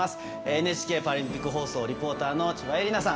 ＮＨＫパラリンピック放送リポーターの千葉絵里菜さん